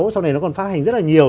sau này nó còn phát hành rất là nhiều